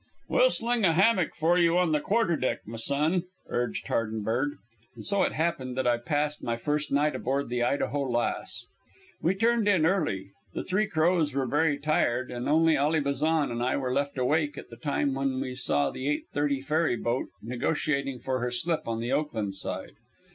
"We'll sling a hammick for you on the quarterdeck, m'son," urged Hardenberg. And so it happened that I passed my first night aboard the Idaho Lass. We turned in early. The Three Crows were very tired, and only Ally Bazan and I were left awake at the time when we saw the 8:30 ferryboat negotiating for her slip on the Oakland side.